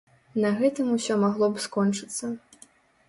На гэтым усё магло б скончыцца.